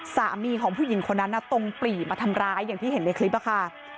สามีของผู้หญิงคนนั้นตรงปลี่มาทำร้ายอย่างที่เห็นในคลิปค่ะ